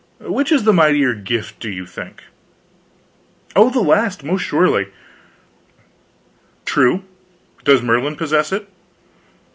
Which is the mightier gift, do you think?" "Oh, the last, most surely!" "True. Does Merlin possess it?"